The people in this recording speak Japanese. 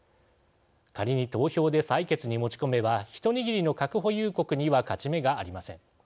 仮に投票で採決に持ち込めば一握りの核保有国には勝ち目がありません。